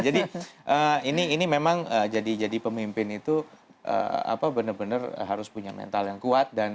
jadi ini memang jadi pemimpin itu benar benar harus punya mental yang kuat